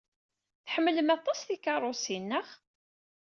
Tḥemmlem aṭas tikeṛṛusin, naɣ?